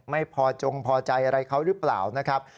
ไม่พอจงพอใจอะไรเขาหรือเปล่านะครับ